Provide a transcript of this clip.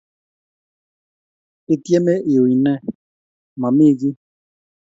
"""Ityeme iuny nee?""""Mami kiiy."""